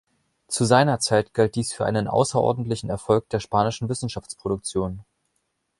Zu seiner Zeit galt dies für einen außerordentlichen Erfolg der spanischen Wissenschaftsproduktion.